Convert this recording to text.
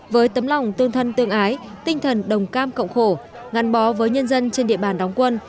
với tấm lòng tương thân tương ái tinh thần đồng cam cộng khổ gắn bó với nhân dân trên địa bàn đóng quân